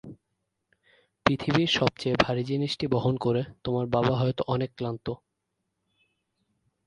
পৃথিবীর সবচেয়ে ভারী জিনিসটি বহন করে তোমার বাবা হয়তো অনেক ক্লান্ত।